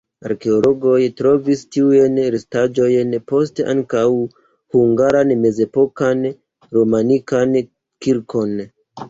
Arkeologoj trovis tiujn restaĵojn, poste ankaŭ hungaran mezepokan romanikan kirkon.